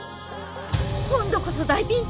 今度こそ大ピンチ！